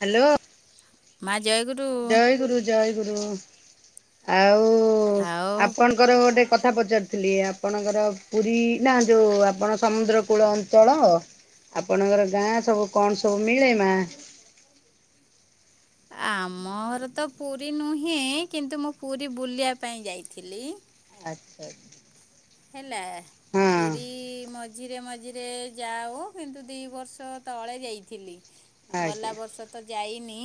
Hello. ମା ଜୟଗୁରୁ। ଜୟ ଗୁରୁ ଜୟ ଗୁରୁ ଆଉ ଆଉ ଆପଣ ଙ୍କର ଗୋଟେ କଥା ପଚାରୁଥିଲି ଆପଣଙ୍କର ପୁରୀ ନା ଯୋଉ ଆପଣ ସମୁଦ୍ର କୂଳ ଅଁ ଞ୍ଚଳ ଆପଣଙ୍କର ଗାଁ ସବୁ କଣ ସବୁ ମିଳେ ମା? ଆମ ଘର ତ ପୁରୀ ନୁହେଁ କିନ୍ତୁ ମୁଁ ପୁରୀ ବୁଲିବା ପାଇଁ ଯାଇଥିଲି। ଆଚ୍ଛା ଆଛା। ହେଲା ପୁରୀ ମ ମଝିରେ ମଝିରେ ଯାଉ ଅ କିନ୍ତୁ ଦି ବର୍ଷ ତଳେ ଯାଇଥିଲି ଗଲା ଆଜ୍ଞା ବର୍ଷ ତ ଯାଇନି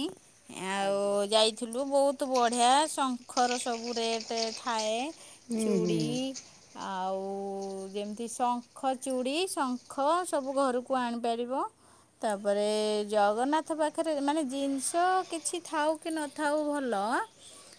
ଆଉ ଆଜ୍ଞା ଯାଇଥିଲୁ ବହୁତ ବହୁତ ବଢ଼ିଆ ଶଙ୍ଖର ସବୁ ରେଟ ଥାଏ ହୁଁ ହୁଁ ଚୁଡ଼ି ଆଉ ଯେମିତି ଶଙ୍ଖ ଚୁଡ଼ି ଶଙ୍ଖ ସବୁ ଘରକୁ ଆଣିପାରିବ। ତାପରେ ଜଗନ୍ନାଥ ପାଖରେ ମାନେ ଜିନିଷ କିଛି ଥାଉ କି ନଥାଉ ଭଲ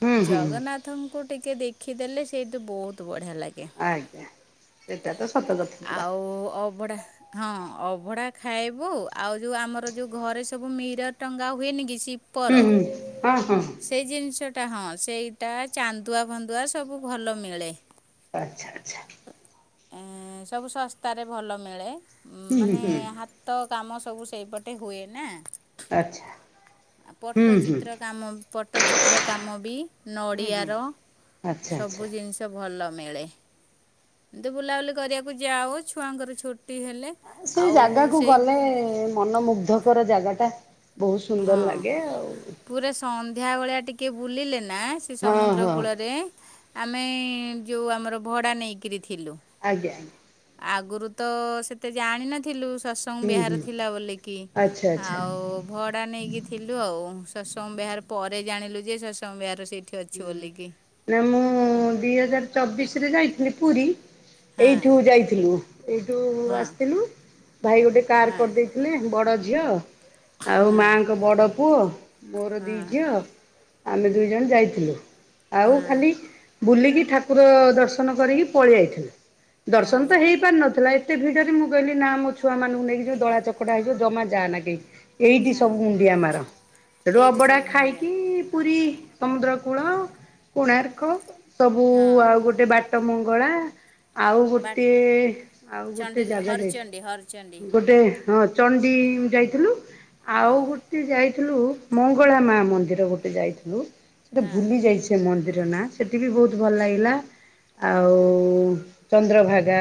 ହୁଁ ହୁଁ ଜଗନ୍ନାଥଙ୍କୁ ଟିକେ ଦେଖିଦେଲେ ସେଇଠୁ ବହୁତ ବଢିଆ ଲାଗେ। ଆଜ୍ଞା। ସେଟା ତ ସତ କଥା ପୁରା ଆଉ ଅଭଡ଼ା ହଁ ଅଭଡ଼ା ଖାଇବୁ ଆଉ ଯୋଉ ଆମର ଯୋଉ ଘରେ ସବୁ ମିରର ଟଙ୍ଗା ହୁଏନି କି ସିପ ହୁଁ ହୁଁ ହଁ ହଁ। ସେଇ ଜିନିଷଟା ହଁ ସେଇଟା ଚାନ୍ଦୁଆ ଫାନ୍ଦୁଆ ସବୁ ଭଲ ମିଳେ। ଆଚ୍ଛା ଆଚ୍ଛା। ଏଁ ସବୁ ଶସ୍ତାରେ ଭଲ ମିଳେ ହୁଁ ମାନେ ହୁଁ ହା ତ କାମ ସବୁ ସେଇପଟେ ହୁଏ ନା। ଆଚ୍ଛା ଆଉ ହୁଁ ହୁଁ, ପଟ୍ଟଚିତ୍ର କାମ ପଟ୍ଟଚିତ୍ର କାମ ବି ହୁଁ ହୁଁ ନଡ଼ିଆର ଆଚ୍ଛା ଆଚ୍ଛା। ସବୁ ଜିନିଷ ଭଲ ମିଳେ ଏମତି ବୁଲାବୁଲି କରିବାକୁ ଯାଉ ଛୁଆଙ୍କର ଛୋ ସେ ଜାଗାକୁ ଗଲେ ମନମୁଗ୍ଧ ର ଜାଗା ଟା ବହୁତ ସୁନ୍ଦର ହଁ ଲାଗେ ଆଉ। ପୁରା ସନ୍ଧ୍ୟା ଭଳିଆ ଟିକିଏ ବୁଲିଲେ ନା ସେ ହଁ ସମୁଦ୍ର ହଁ କୂଳରେ ଆମେ ଯେଉଁ ଆମର ଭଡ଼ା ନେଇକରି ଥିଲୁ, ଆଜ୍ଞା ଆଜ୍ଞା। ଆଗରୁ ତ ସେତେ ଜାଣିନଥିଲୁ। ସ୍ୱା ସଙ୍ଗ ହୁଁ ବିହାର ହୁଁ ଥିଲା ବୋଲି କିି ଆଚ୍ଛା ଆଚ୍ଛା ଆଉ। ଭଡା ନେଇକି ଥିଲୁ ଆଉ ସତସଙ୍ଗ ବିହାର ପରେ ଜାଣିଲୁ ଯେ ସତ୍ସଙ୍ଗ ବିହାର ସେଇ ହୁଁ ନା ମୁଁ ଦିଇ ହଜାର ଚବିଶରେ ଯାଇଥିଲି ପୁରୀ, ହଁ ଏଇଠୁ ଯାଇଥିଲୁ ଏଇଠୁ ହଁ ଆସିଥିଲି। ଭାଇ ଗୋଟେ କାର ହଁ କରିଦେଇଥିଲେ ବଡ ଝିଅ ଆଉ ହଁ ମାଆଙ୍କ ବଡ଼ ପୁଅ ମୋର ଦିଇ ହଁ ଝିଅ ଆମେ ଦୁଇ ଜଣ ଯାଇ ଥିଲୁ। ଆଉ ହଁ ଖାଲି ବୁଲିକି ଠାକୁର ଦର୍ଶନ କରିକି ପଳେଇ ଆଇଥିଲୁ। ଦର୍ଶନ ହଁ ତ ହେଇ ପାରିନଥିଲା। ଏତେ ଭିଡରେ ମୁଁ ଗଲିି ନା ମୋ ଛୁଆ ମାନଙ୍କୁ ନେଇକି ଯୋଉ ଦଳା ଚକଟା ହେଇଯିବ ଜମା ଯା ନା କେହି। ଏଇଠି ହଁ ସବୁ ମୁଣ୍ଡିଆ ମାର ଏଇଠି ଅବଢା ସବୁ ମୁଣ୍ଡିଆ ଖାଇକି ପୁରୀ ସମୁଦ୍ର କୂଳ କୋଣାର୍କ ସବୁ ହଁ ଆଉ ଗୋଟେ ବାଟ ମଙ୍ଗଳା ଆଉ ବା ଗୋଟେ ଆଉ ଚଣ୍ଡୀ ଗୋଟେ ଜାଗା ହରଚଣ୍ଡୀ ହରଚଣ୍ଡୀ ଯାଇଥିଲୁ। ଗୋଟେ ହଁ ଚଣ୍ଡି ଯାଇଥିଲୁ ହଁ ଆଉ ଗୋଟେ ଯାଇ ଥିଲୁ। ମଙ୍ଗନା ମା ମନ୍ଦିର ଗୋଟେ ଯାଇଥିଲୁ। ହଁ ଭୁଲି ଯାଇଛି ମନ୍ଦିର ନାଁ ସେଠି ବି ବହୁତ ଭଲ ଲାଗିଲା। ଆଉ ଚନ୍ଦ୍ରଭାଗା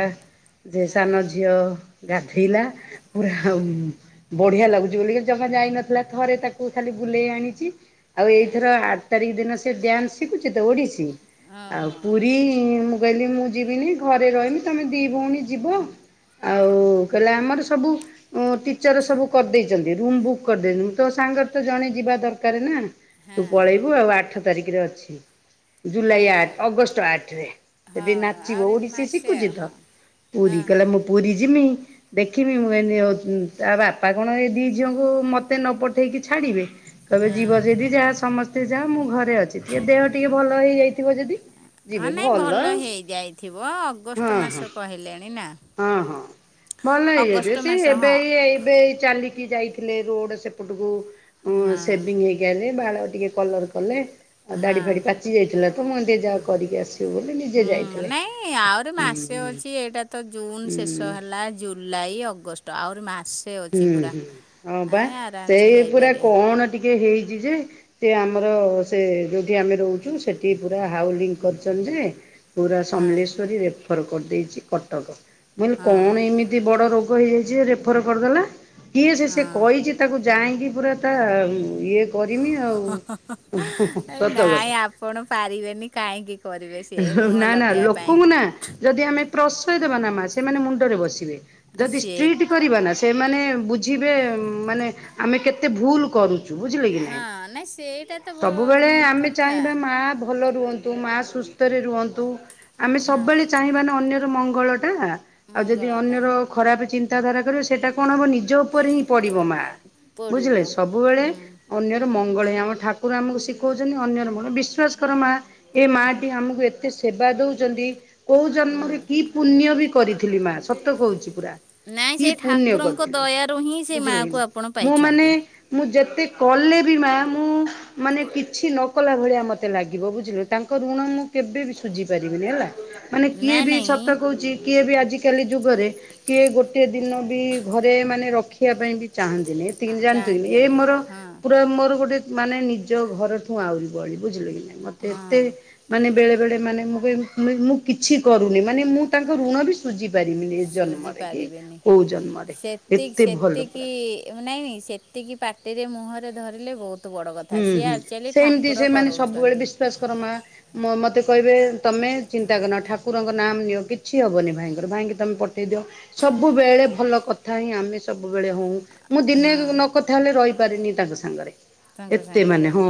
ଯେ ହଁ ସାନ ଝିଅ ଗାଧେଇଲା ପୁରା ଓ ବଢିଆ ଲାଗୁଛି ବୋଲି ଜମା ଯାଇନଥିଲା ଥରେ ତାକୁ ଖାଲି ବୁଲେଇ ଆଣଛି। ଆଉ ଏଇ ହଁ ଥର ରତାରିଖ ଦିନ ସେ ଡ୍ୟାନ୍ସ ଶିଖୁଛି ତ ଓଡିଶୀ। ଆଉ ଓହୋ ପୁରୀ କହିଲି ମୁଁ ଯିବିନି ଘରେ ରହମି ତମେ ଦି ଭଉଣୀ ଯିବ, ଆଉ କହିଲା ଆମର ସବୁ। ଟିଚର ସବୁ କରିଦେଇଛନ୍ତି। ରୁମ ବୁକ୍ କରିଦେଇଛନ୍ତି ତ ସାଙ୍ଗରେ ତ ଜଣେ ଯିବା ଦର କାର ନା। ତୁ ହଁ ପଳେଇବୁ ଆଉ ଆଠ ତାରିଖରେ ଅଛି। ଜୁଲାଇ ଆଠ ଅଗଷ୍ଟ ଆଠ ରେ ହଁ ସେଠି ନାଚିବ ଆହୁରି ଓଡିଶୀ ମାସେ ଆଉ ଶିଖୁଛି ହଁ ତ। ହଁ ପୁରି ହଁ କଲା ମୁଁ ପୁରି ଜିମୁ। ଦେଖିବି ମୁଁ ଏମ ଏ ତା ବାପା କଣ ଏ ଦୁଇ ଝିଅଙ୍କୁ ମୋତେ ନ ପଠେଇକି ଛାଡ଼ିବେ। କହିବେ ହଁ ଯିବ ଯଦି ଯାଅ ସମସ୍ତେ ଯାଅ ମୁଁ ଘରେ ଅଛି ଟିକେ ଦେହ ଟିକେ ଭଲ ହେଇଯାଇଥିବ ଯଦି। ହଁ ଯିବେ ନାଇଁ ଭଲ ହେଇଯାଇଥିବ ଅଗଷ୍ଟ ହଁ ମାସ ହଁ କହିଲେଣି ନା ହଁ ହଁ। ଭଲ ହେଇଯାଇ ଅଗଷ୍ଟ ଥିବେ ସିଏ ମାସ ଏବେ ହଁ ଏଇ ଏଵେ ଏବେ ଚାଲିକି ଯାଇଥିଲେ ରୋଡ ସେପଟକୁ ହଁ ଶେଭିଂ ହେଇକି ଆଇଲେ। ବାଳ ଟିକେ କଲର କଲେ। ଆଉ ହଁ ଦାଡି ଫାଡି ପାଚି ଯାଇଥିଲା ତ ମୁଁ ଏମିତି ଯାଅ କରିକି ଆସିବୁ ବୋଲି ନିଜେ ଯାଇଥିଲେ। ହୁଁ ସିଏ ଏଇଟା ତ ଜୁନ୍ ଶେଷ ହୁଁ। ହେଲା ଜୁଲାଇ ଅଗଷ୍ଟ ଆହୁରି ମାସ ସେ ହୁଁ ଅଛି ପୁରା ହୁଁ ହଁ ବା ହେ ଆରାମସେ ସେଇ ପୁରା ଯାଇପରିବେ। କଣ ଟିକେ ହେଇଛି ଯେ। ସେ ଆମର ସେ ଯୋଉଠି ଆମେ ରହୁଛୁ ସେଠି ପୁରା ହାଉଲିଙ୍ଗ କରିଚନ୍ତି ଯେ ପୁରା ହଁ ସମଲେଶ୍ଵରୀ ରେଫର କରିଦେଇଛି କଟକ ମୁଁ ହଁ କହିଲି କଣ ଏମିତି ଯେ ବଡ ରୋଗ ହେଇଯାଇଛି ଯେ ରେଫର କରିଦେଲା। କିଏ ସେ ସିଏ ହଁ କହିଛି ତା ତାକୁ ଯାଇଁକି ପୁରା ତା ଇଏ କରିମି ଆଉ, ହୁଁ ହୁଁ ନାଇଁ ସତକଥା। ଆପଣ ପାରିବେନି କାହିଁକି କରିବେ ସିଏ ମୁହଁ ନା ନା ଲଗେଇବା ପାଇଁ ଲୋକଙ୍କୁ ନା ଯଦି ଆମେ ପ୍ରସୟ ଦେବାନା ମା ସେମାନେ ମୁଣ୍ଡରେ ବସିବେ ଆଉ ଯଦି ସିଏ ଷ୍ଟ୍ରିଟ୍ କରିବା ନା ସେମାନେ ବୁଝିବେ ମାନେ ଆମେ କେତେ ଭୁଲ କରୁ। ବୁଝିଲେ କି ହଁ ନାଇଁ ସେଇଟା ତ ସବୁବେଳେ ଆମେ କଥା ଚାହିଁବା ମା ଭଲ ରୁହନ୍ ତୁ ମା ସୁସ୍ଥରେ ରୁହନ୍ତୁ ଆମେ ହଁ ସବୁବେଳେ ଚାହିଁବା ନା ଅନ୍ୟର ମଙ୍ଗଳ ଟା। ଆଉ ଯଦି ମଙ୍ଗଳଟା ଅନ୍ୟର ଖରାପ ଚିନ୍ତାଧାରା କରିବ ସେଇଟା କଣ ହବ ନି ଜ ଉପରେ ହିଁ ପଡିବ ମା ପଡ଼ିବ ବୁଝିଲେ ସବୁବେଳେ ହୁଁ ଅନ୍ୟର ମଙ୍ଗଳ ହିଁ ହବ ଆମ ଠାକୁର ଆମକୁ ଶିଖଉଛନ୍ତି। ଅନ୍ୟର ମଙ୍ଗଳ ବିଶ୍ୱାସ କର ମା ଏ ମା କୁ ଏତେ ସେବା ଦଉଛନ୍ତି କୋଉ ହୁଁ ଜନ୍ମରେ କି ପୁଣ୍ୟ ବି କରିଥିଲି ମା ସତ କହୁଛି ପୁରା ନାଇଁ କି ସେଇ ପୁଣ୍ୟ ଠାକୁରଙ୍କ କରିଥିଲି ଦୟାରୁ ହିଁ ସେଇ ବୁଝିଲେ ମାଆକୁ କି ଆପଣ ମୁଁ ମାନେ ପାଇଛନ୍ତି ମୁଁ ଯେତେ କଲେ ବି ମା ମୁଁ ମାନେ କିଛି ନ କଲା ଭଳିଆ ମତେ ଲାଗିବ ବୁଝିଲୁ ତାଙ୍କ ଋଣ ମୁଁ କେବେ ବି ସୁଝି ପାରିବିନି ହେଲା ମାନେ କିଏ ନାଇଁ ବି ନାଇଁ ସତ କହୁଚି କିଏ ବି ଆଜିକାଲି ଯୁଗରେ କିଏ ଗୋଟେ ଦିନ ବି ଘରେ ମାନେ ରଖିବା ପାଇଁ ବି ଚାହାନ୍ତିନି ଏତିକି ଜାଣିଥିଲି ଏ ଚାହାନ୍ତିନି ମୋର ହଁ ପୁରା ମୋର ଗୋଟେ ମାନେ ନିଜ ଘରଠୁ ଆହୁରି ବଳି ବୁଝିଲେ କି ନାହିଁ ମୋତେ ହଁ ଏତେ ମାନେ ବେଳେ ବେଳେ ମାନେ ମୁଁକହି ବି ମୁଁ କିଛି କରୁନି ମାନେ ମୁଁ ତାଙ୍କ ଋଣ ବି ସୁ ସୁଜି ପାରିବିନି ଏ ଶୁଝି ଜନ୍ମରେ କି ପାରିବେନି କୋଉ ଜନ୍ମରେ ଏତେ ଭଲ ପୁରା। ନାଇଁ ନାଇଁ ସେତିକି ପାଟିରେ ମୁହଁରେ ଧରିଲେ ବହୁତ। ତୁ ବଡ଼ କଥା ହୁଁ ସିଏ ହୁଁ ଆକ୍ଚୁଆଲି ସେମିତି ଠାକୁର ସେମାନେ ସବୁବେଳେ କରଉଛନ୍ତି। ବିଶ୍ୱାସ କର ମା ମ ମୋତେ କହିବେ ତମେ ଚିନ୍ତାକରନା ଠାକୁରଙ୍କ ନାମ ନିଅ କିଛି ହବନି ଭାଇଙ୍କର ଭାଇଙ୍କି ତମେ ପଠେଇ ଦିଅ। ସବୁବେଳେ ଭଲ କଥା ହିଁ ଆମେ ସବୁବେଳେ ହୋଉଁ। ମୁଁ ଦିନେ ହଁ ନକଥା ହେଲେ ରହିପାରିନି ତାଙ୍କ ସାଙ୍ଗରେ। ତାଙ୍କ ଏତେ ମାନେ ସାଙ୍ଗରେ ହଁ,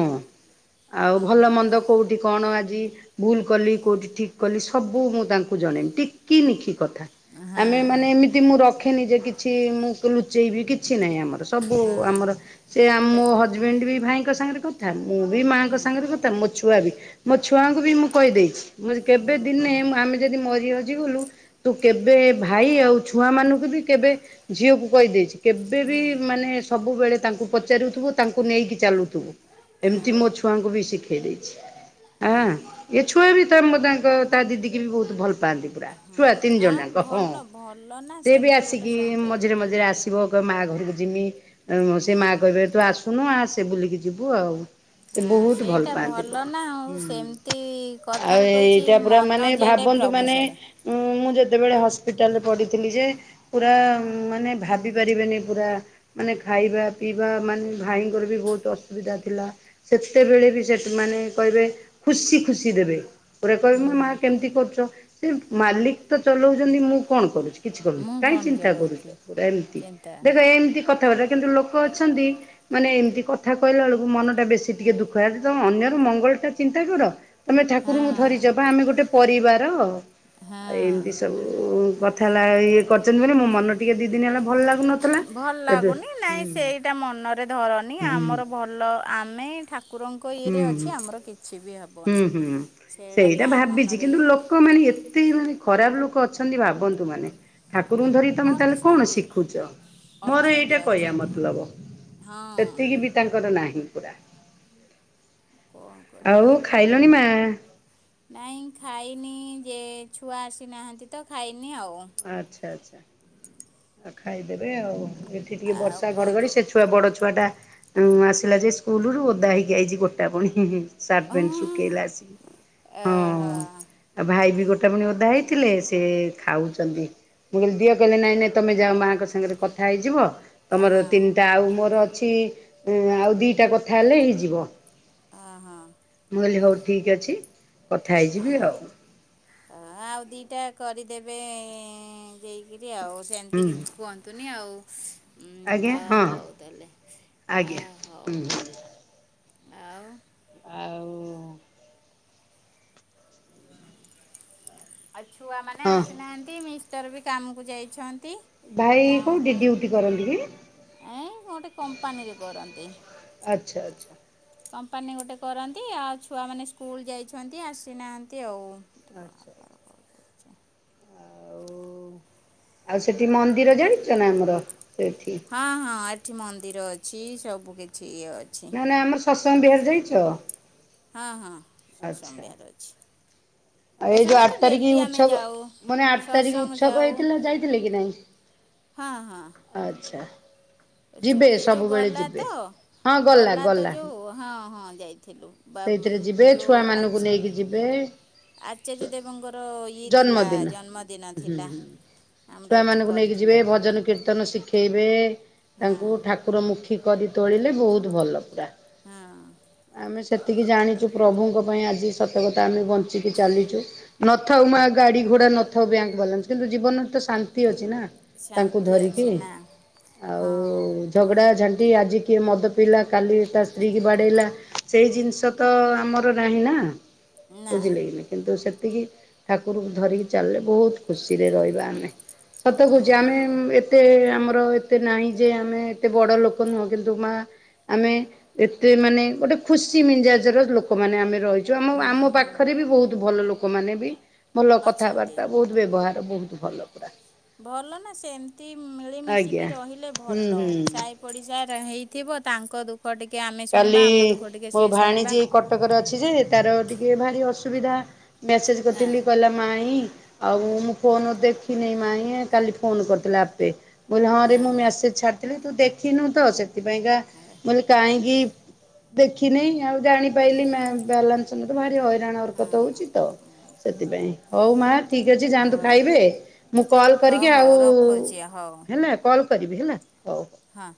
ଆଉ ଭଲ ମନ୍ଦ କୋଉଠି କଣ ଆଜି ଭୁଲ କଲି କୋଉଠି ଠିକ କଲି ସବୁ ମୁଁ ତାଙ୍କୁ ଜଣେଇବି ଟିକି ନିଖି କଥା। ଆମେ ମାନେ ହଁ ଏମିତି ମୁଁ ରଖେନି ଯେ କି ଛି ମୁଁ ଲୁଚେଇବି କିଛି ନାହିଁ ଆମର ସବୁ ହଁ ଆମର ସେ ଆମ ପେ ମୋ ହଜବେଣ୍ଡ ବି ଭାଇଙ୍କ ସାଙ୍ଗରେ କଥା ମୁଁ ବି ମାଆଙ୍କ ହୁଁ ସାଙ୍ଗରେ କଥା ମୋ ଛୁଆ ବି। ମୋ ଛୁଆଙ୍କୁ ବି ମୁଁ କହିଦେଇଛି ମୁ କେବେ ଦିନେ ଆମେ ଯଦି ମରି ହଜିଗଲୁ ତୁ କେବେ ଭାଇ ଆଉ ଛୁଆମାନଙ୍କୁ ବି କେବେ ଝିଅକୁ କହିଦେଇଛି କେବେ ବି ହୁଁ ମାନେ ସବୁବେଳେ ତାଙ୍କୁ ପଚାରୁଥିବୁ ତାଙ୍କୁ ନେଇକି ଚାଲୁଥିବୁ ହୁଁ ଏମିତି ମୋ ଛୁଆଙ୍କୁ ବି ଶିଖେଇ ଦେଇଛି। ଆ ଏ ଛୁଆ ବି ତ ତାଙ୍କ ତା ଦିଦି କିବି ବହୁତ ଭଲ ପାଆନ୍ତି ପୁରା। ଛୁଆ ହୁଁ ତିନି ଜଣ ଆଉ ଯାଙ୍କ ହଁ ଭଲ ଭଲ ନା ସେ ବି ସେମିତି ଗୋଟେ ଆସିକି ସମ୍ପର୍କ। ମଝିରେ ମଝିରେ ଆସ ଥିବ କଇବ ମା ଘରକୁ ଯିମି ସେ ମା କହିବେ ତୁ ଆସୁନୁ ଆସେ ବୁଲିକି ଯିବୁ ଆଉ। ହଁ ବହୁତ ଭଲ ସେଇଟା ପାଆନ୍ତି ପୁରା ନା ଆଉ ସେମିତି ହୁଁ କଥାରେ ଆଉ କହିଛି ଏଇଟା ପୁରା ମନ ମାନେ ଯେଡ଼େ ଭାବନ୍ତୁ ପ୍ରଭୁ ମାନେ ସେଡ଼େ ମୁଁ ଯେତେବେଳେ ହସ୍ପିଟାଲରେ ପଢଡ଼ିଥିଲି ଯେ ପୁରା ମାନେ ଭାବି ପାରିବେନି ପୁରା ମାନେ ଖାଇବା ପିଇବା ମାନେ ଭାଇଙ୍କର ବି ବହୁତ ଅସୁବିଧା ଥିଲା। ସେତେବେଳେ ବି ସେମାନେ କହିବେ ଖୁସି ଖୁସି ଦେବେ। ପରେ କହିବୁ ମୋ ହୁଁ ମା କେମିତି କରୁଚ? ସେ ମାଲିକ ତ ଚଲୋଉଚନ୍ତି ମୁଁ କଣ କରୁଚି। କିଛି କରୁନି ମୁଁ କାଇଁ କଣ ଚିନ୍ତା କରୁଚ ଚଲଉଛି ପୁରା ଏମିତି ଚିନ୍ତା ଦେଖ ଏମିତି କଥାବାର୍ତ୍ତା କିନ୍ତୁ ଲୋ କ ଅଛନ୍ତି ମାନେ ଏମତି କ ଥା କହିଲା ବେଳକୁ ମନଟା ବେଶୀ ଟିକେ ଦୁଃଖ ହେଇଯାଉଚି ତମ ଅନ୍ୟର ମଙ୍ଗଳଟା ଚିନ୍ତା କର। ତମେ ହଁ ଠାକୁରଙ୍କୁ ଧରିଚପା ଆମେ ଗୋଟେ ପରିବାର ଆଉ ହଁ। ଏମତି ସବୁ ପର ହେଲା ଇଏ କରିଚନ୍ତି ବୋଲି ମୋ ମନ ଟିକେ ଦିଇ ଦିନ ହେଲା ଭଲ ଲାଗୁନଥିଲା ଏବେ ହୁଁ ଏଟା ମନରେ ଧରନି ଆମର ଭଲ ଆମେ ଠାକୁରଙ୍କ ଇଏରେ ହୁଁ ଅଛେ ଆମର କିଛି ବି ହ ହୁଁ ହୁଁ ସେଇଟା ଭାବିଚି କିନ୍ତୁ ଲୋକ ମାନେ ଏତେ ମାନେ ଖରାପ ଲୋକ ଅଛନ୍ତି ଭାବନ୍ତୁ ମାନେ ଠାକୁରଙ୍କୁ ଧରି ତମେ ତାହେଲେ କଣ ଅଛନ୍ତି ଶିଖୁଚ। ମୋର ଅଛନ୍ତି ଏଇଟା କହିବା ଅଛନ୍ତି। ମତଲବ ହଁ ସେତିକି ତାଙ୍କର ନାହିଁ ପୁରା। କଣ କରିବା। ଆଉ ଖାଇଲଣି ମା? ନାଇଁ ଖାଇନି ଯେ ଛୁଆ ଆସିନାହାନ୍ତି ତ ଖାଇନି ଆଉ। ଆଚ୍ଛା ଆଚ୍ଛା ଆଉ ଖାଇଦେବେ ଆଉ ଏଠି ଟିକେ ଆଉ ବର୍ଷା ଘଡଘଡି କୁହନ୍ତୁ ସେ ଛୁଆ ବଡ ଛୁଆଟା ଉଁ ଆସିଲା ଯେ ସ୍କୁଲରୁ ଓଦା ହେଇକି ଆଇଚି ଗୋଟା ପଣି। [unintelligible] ସାର୍ଟ ହଁ ପେଣ୍ଟ ଶୁକେଇଲା ଆସିକି ହଁ ହଁ। ଆଉ ଭାଇ ବି ଗୋଟାପଣି ଓଦା ହେଇଥିଲେ ସେ ଖାଉ ଚନ୍ତି ମୁଁ କହିଲ ଦିଅ କହିଲେ ନାଇଁ ନାଇଁ ତମେ ଯାଅ ମାଙ୍କ ସାଙ୍ଗରେ କଥା ହେଇଯିବ ତମର ହଁ ତିନିଟା ଆଉ ମୋର ଅଛି ଉଁ ଆଉ ଦିଇଟା କଥା ହେଲେ ହେଇଯିବ। ଅ ହଁ। ମୁଁ କହିଲି ହୋଉ ଠିକ୍ ଅଛି କଥା ହେଇଯିବି ଆଉ। ହଁ ଆଉ ଦିଇଟା କରିଦେବେ ଏଁ ଯାଇକିରି ଆଉ ସିଏଁ ଏମିତି କି ହୁଁ କୁହନ୍ତୁନି ଆଉ। ଉଁ ଆଜ୍ଞା ଆ ହଁ ହୋଉ ତାହଲେ ଆ ଆଜ୍ଞା ହୋଉ। ହୁଁ ଆଉ ଆଉ ଆଉ ଛୁଆମାନେ ହଁ। ଆସିନାହାନ୍ତି। ମିଷ୍ଟର ବି କାମକୁ ଯାଇଛନ୍ତି। ଭାଇ କୋଉଠି ଡ୍ୟୁଟି କରନ୍ତି କି? ଏଁ ଗୋଟେ କମ୍ପାନୀରେ କରନ୍ତି। ଆଚ୍ଛା ଆଚ୍ଛା କମ୍ପାନୀ ଗୋଟେ କରନ୍ତି ଆଉ ଛୁଆମାନେ ସ୍କୁଲ ଯାଇଛନ୍ତି ଆସିନାହାନ୍ତି ଆଉ। ଆଚ୍ଛା ଆଉ ଆଉ ସେଠି ମନ୍ଦିର ଜାଣିଚ ନା ଆମର ସେଇଠି। ହଁ ହଁ ଏଠି ମନ୍ଦିର ଅଛି ସବୁ କିଛି ଇଏ ଅ ନାଁ ନାଁ ଆମର ସତସଙ୍ଗ ବିହାର ଯାଇଚ? ହଁ ହଁ ସେ [unintelligible] ଅଛି। ଆଉ ଏଇ ଯୋଉ ଆଠ [unintelligible] ତାରିଖ ଡେଲି ଆମେ ଉତ୍ସବ ଯାଉ ମାନେ ଆଠ ତାରିଖ ସତସଙ୍ଗ ଉତ୍ସବ ଯାଉ। ହେଇଥିଲା ଯାଇଥିଲେ କି ନାଇଁ? ହଁ ହଁ। ଆଚ୍ଛା। [unintelligible] ଯିବେ ଏଇ ଯୋଉ ସବୁବେଳେ ଗଲା ଯିବେ। ତ ଗଲା ତ ଯୋଉ ହଁ ହଁ ଯାଇଥିଲୁ। ବା ସେଇଥିରେ ଯିବେ ଯେଉଁ ଛୁଆ ମାନଙ୍କୁ ନେଇକି ଯିବେ। ଆଚାର୍ଯ୍ୟ ଦେବଙ୍କର ଇଏ ଥିଲା ଜନ୍ମଦିନ ଜନ୍ମଦିନ ଥିଲା। ଆମର ଏଠି ଛୁଆମାନଙ୍କୁ ନେଇକି ଯିବେ କରିଥିଲେ ଭଲ ଭଜନ କୀର୍ତ୍ତନ ଶିଖେଇବେ ହଁ ତାଙ୍କୁ ଠାକୁର ମୁଖୀ କରି ତୋଳିଲେ ବୋହୁତ ଭଲ ପୁରା। ହଁ। ଆମେ ସେତିକି ଜାଣିଛୁ ପ୍ରଭୁଙ୍କ ପାଇଁ ଆଜି ସତ କଥା ଆମେ ବଞ୍ଚିକି ଚାଲିଛୁ। ନଥାଉ ମା ଗାଡି ଘୋଡା ନଥାଉ ବ୍ୟାଙ୍କ ବାଲାନ୍ସ କିନ୍ତୁ ଜୀବନରେ ତ ଶାନ୍ତି ଅଛି ନା। ତାଙ୍କୁ ଶାନ୍ତି ଧରିକି ଅଛି ନା ହଁ ଆଉ ଝଗଡ଼ା ଝାଣ୍ଟି ଆଜି କିଏ ମଦ ପିଇଲା କାଲି ତା ସ୍ତ୍ରୀ କି ବାଡ଼େଇଲା। ସେଇ ଜିନିଷ ତ ଆମର ନାହିଁ ନା ନା ବୁଝିଲେ କି ନା କିନ୍ତୁ ସେତିକି ଠାକୁରଙ୍କୁ ଧରିକି ଚାଲେ ବହୁତ ଖୁସିରେ ରହିବା ଆମେ। ସତ କହୁଛି ଆମେ ହଁ ଏ ଏତେ ଆମର ଏତେ ନାହିଁ ଯେ ଆମେ ଏତେ ବଡ଼ ଲୋକ ନୁହଁ କିନ୍ତୁ ମା ଆମେ ଏତେ ମାନେ ଗୋଟେ ଖୁସି ମିଳି ଯାଉଛି ଲୋକମାନେ ଆମେ ରହିଛୁ ଆମ ହୁଁ ଆମ ହୁଁ ପାଖରେ ବି ବହୁତ ଭଲ ଲୋକମାନେ ବି ଭଲ ଅଛନ୍ତି କଥାବାର୍ତ୍ତା ବହୁତ ବ୍ୟବହାର ବହୁତ ଭଲ ପୁରା। ଭଲ ନା ସେମିତି ଆଜ୍ଞା ମିଳିମିଶିକି ରହିଲେ ହୁଁ ଭଲ। ହୁଁ। ପଡିଶା ହେଇଥିବ ତାଙ୍କ ଦୁଃଖ ଟିକେ ଆମେ କାଲି ଶୁଣିବା ଆମ ଦୁଃଖ ଟିକେ ମୋ ସିଏ ଶୁଣିବା। ଭାଣିଜୀ କଟକରେ ଅଛି ଯେ ତାର ଟିକେ ଭାରି ଅସୁବିଧା ମେସେଜ୍ ହଁ କରିଥିଲି କହିଲା ମାଇଁ ଆଉ ମୁଁ ଫୋନ୍ ଦେଖିନି ମାଇଁ କାଲି ଫୋନ୍ କରିଥିଲା ଆପେ ମୁଁ କହିଲି ହଁ ରେ ମୁଁ ମେସେଜ ଛାଡିଥିଲି ତୁ ଦେଖିନୁ ତ ସେଥି ପାଇଁ କା ଆ କାହିଁକି ଦେଖିନି ଆଉ ଜାଣି ପାଇଲି ବାଲାନ୍ସ ନଥିଲା ଭାରି ହଇ ହଇରାଣ ହଁ ହରକତ ହଉଛି ତ ସେଥିପାଇଁ ହଉ ମା ଠିକ ଅଛି ଯାଆନ୍ତୁ ହଉ ଖାଇବେ ମୁଁ କଲ୍ ହଉ କରିକି ଆଉ ହଉ ରଖୁଛି ହଉ ହେଲା କଲ୍ କରିବି ହେଲା ହଉ। ହଁ।